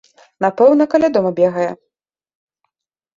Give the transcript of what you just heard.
Напэўна, каля дома бегае.